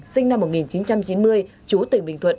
sinh năm một nghìn chín trăm chín mươi chú tỉnh bình thuận